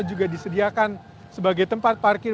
juga disediakan sebagai tempat parkir